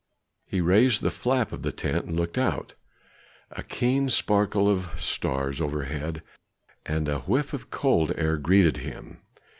He raised the flap of the tent and looked out. A keen sparkle of stars overhead and a whiff of cold air greeted him.